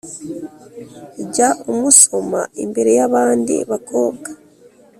jya umusoma imbere y’abandi bakobwa,